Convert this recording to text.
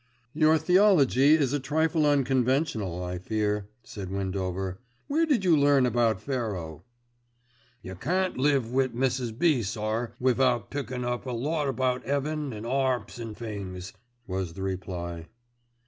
"Your theology is a trifle unconventional, I fear," said Windover. "Where did you learn about Pharaoh?" "Yer can't live wi' Mrs. B., sir, without pickin' up a lot about 'eaven an' 'arps an' things," was the reply.